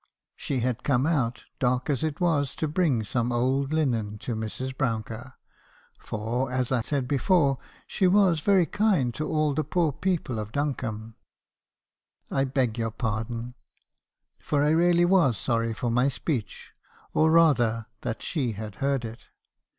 She had come out, dark as it was, to bring some old linen to Mrs. Brouncker; for, as I said before, she was very kind to all the poor people of Duncombe. "'I beg your pardon;' for I really was sorry for my speech, or rather, that she had heard it.